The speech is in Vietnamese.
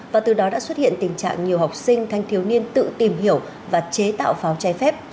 và từ đó đã xuất hiện tình trạng nhiều học sinh thanh thiếu niên tự tìm hiểu và chế tạo pháo trái phép